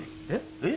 えっ？